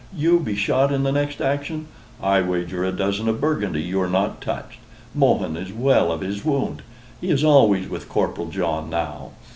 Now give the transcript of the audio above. YOU be shot in the next action! I wager a dozen of Burgundy you are not touched. Mohun is well of his wound. He is always with Corporal John now.